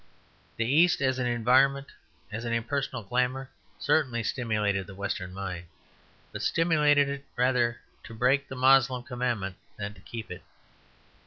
The East as an environment, as an impersonal glamour, certainly stimulated the Western mind, but stimulated it rather to break the Moslem commandment than to keep it.